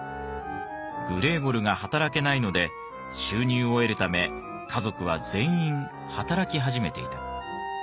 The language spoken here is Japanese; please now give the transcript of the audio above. グレーゴルが働けないので収入を得るため家族は全員働き始めていた。